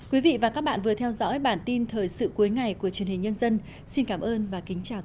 quý vị và các bạn vừa theo dõi bản tin thời sự cuối ngày của truyền hình nhân dân xin cảm ơn và kính chào